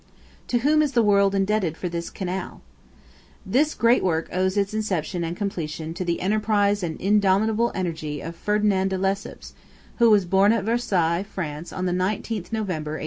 To whom is the world indebted for this canal? This great work owes its inception and completion to the enterprise and indomitable energy of Ferdinand de Lesseps, who was born at Versailles, France, on the 19th November, 1805.